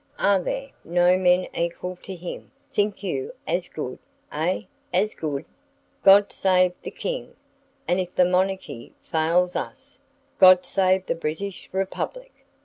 Are there no men equal to him, think you, as good ay, as good? God save the King! and, if the monarchy fails us, God save the British Republic!"